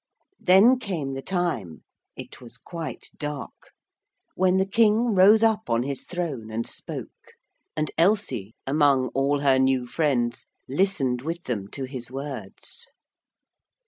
Then came the time it was quite dark when the King rose up on his throne and spoke; and Elsie, among all her new friends, listened with them to his words.